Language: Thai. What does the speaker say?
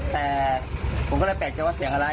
แต่ผมก็เลยแปลกใจว่าเสียงอะไร